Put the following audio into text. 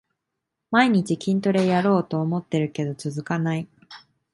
毎日筋トレやろうと思ってるけど続かない